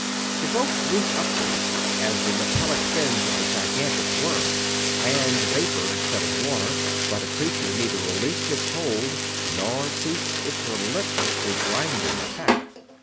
The boat leaped upward as the metallic fins of the gigantic worm fanned vapor instead of water, but the creature neither released its hold nor ceased its relentlessly grinding attack.